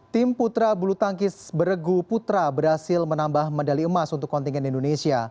tim putra bulu tangkis beregu putra berhasil menambah medali emas untuk kontingen indonesia